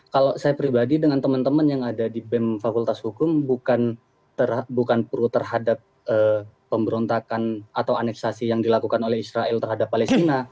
kalau saya pribadi dengan teman teman yang ada di bem fakultas hukum bukan pro terhadap pemberontakan atau aneksasi yang dilakukan oleh israel terhadap palestina